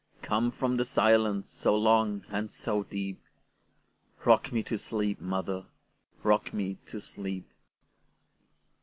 Come from the silence so long and so deep;—Rock me to sleep, mother,—rock me to sleep!